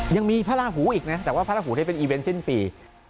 ยังมีพระราหูอีกนะแต่ว่าพระราหูนี่เป็นอีเวนต์สิ้นปี